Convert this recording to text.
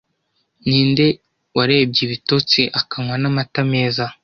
ninde warebye ibitotsi akanywa n'amata meza